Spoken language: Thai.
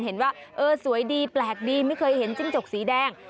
เห็นว่าเออสวยดีแปลกดีไม่เคยเห็นจิ้งจกสีแดง